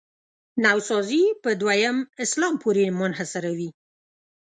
نوسازي په دویم اسلام پورې منحصروي.